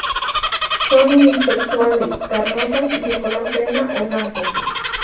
Son unisexuales, carnosas y de color crema o blanco.